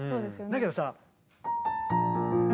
だけどさ。